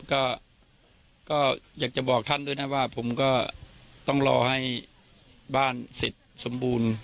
ก็อยากจะบอกท่านด้วยนะว่าผมก็ต้องรอให้บ้านเสร็จสมบูรณ์